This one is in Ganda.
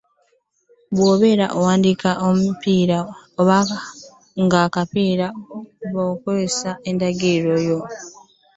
Bw’obeera owandiika ku lwa kkampuni kozesa mannya ga kkampuni oba endagiriro yaayo.